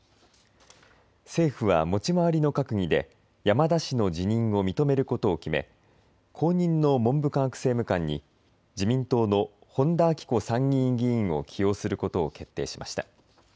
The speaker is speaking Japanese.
政府は持ち回りの閣議で山田氏の辞任を認めることを決め、後任の文部科学政務官に自民党の本田顕子参議院議員を起用することを決定しました。